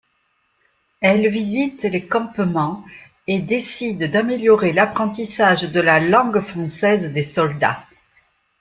Elle visite les campements et décide d'améliorer l'apprentissage de la langue française des soldats.